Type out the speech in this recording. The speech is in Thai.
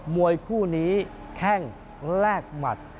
มวยคู่นี้แข้งแลกหมัด